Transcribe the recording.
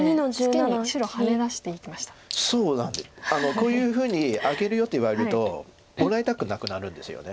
こういうふうにあげるよって言われるともらいたくなくなるんですよね。